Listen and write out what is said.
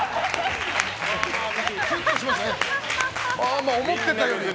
ギュッとしましたね。